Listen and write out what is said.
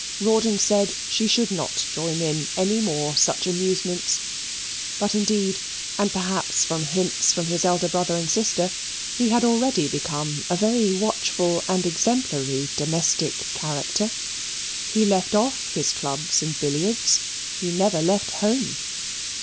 Rawdon said she should not join in any more such amusements but indeed, and perhaps from hints from his elder brother and sister, he had already become a very watchful and exemplary domestic character. He left off his clubs and billiards. He never left home.